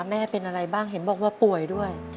แม่เป็นอะไรบ้างเห็นบอกว่าป่วยด้วย